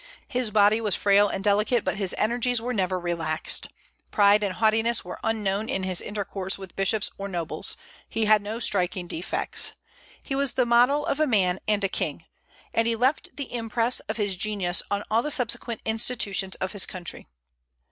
His body was frail and delicate, but his energies were never relaxed. Pride and haughtiness were unknown in his intercourse with bishops or nobles. He had no striking defects. He was the model of a man and a king; and he left the impress of his genius on all the subsequent institutions of his country.